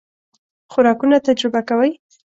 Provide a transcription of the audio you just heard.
خوراکونه تجربه کوئ؟